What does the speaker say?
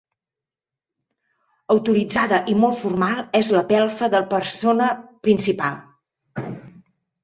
Autoritzada i molt formal és la pelfa de persona principal.